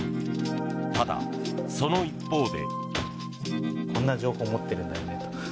ただ、その一方で。